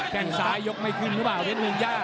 แป้งซ้ายกไม่ขึ้นหรือเปล่าดิตอุงญา